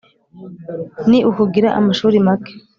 Ni ukugira amashuri make